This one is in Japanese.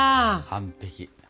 完璧。